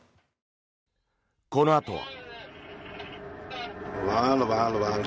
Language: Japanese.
このあとは。